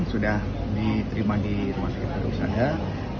sudah diterima di rumah sakit di perusahaan